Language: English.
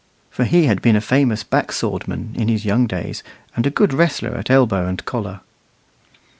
For he had been a famous back swordman in his young days, and a good wrestler at elbow and collar.